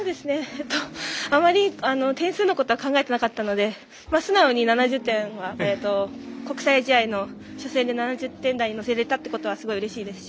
あまり点数のことは考えていなかったので素直に７０点は国際試合の初戦で７０点台に乗せれたということはすごい、うれしいですし。